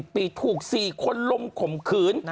๒๐ปีถูก๔คนรุมขมคืน